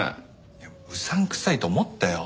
いやうさんくさいと思ったよ。